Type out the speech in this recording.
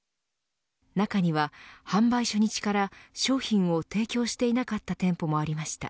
中には販売初日から商品を提供していなかった店舗もありました。